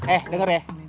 eh denger ya